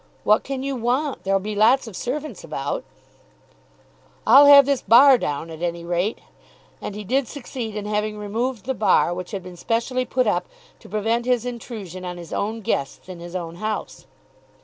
"What can you want? There'll be lots of servants about." "I'll have this bar down, at any rate." And he did succeed in having removed the bar which had been specially put up to prevent his intrusion on his own guests in his own house.